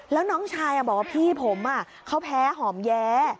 แล้วน้องชายบอกว่าพี่ผมเขาแพ้หอมแย้